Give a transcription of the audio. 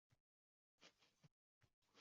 Bir saratonda Sharof Rashidov keldi.